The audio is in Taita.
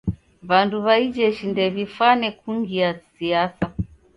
W'andu w'a ijeshi ndew'ifane kungia siasa.